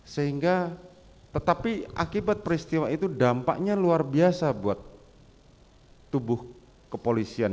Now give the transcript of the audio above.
sehingga tetapi akibat peristiwa itu dampaknya luar biasa buat tubuh kepolisian